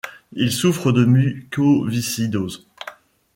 Il souffre de mucoviscidose.